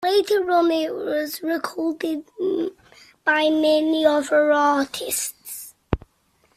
Later on, it was recorded by many other artists.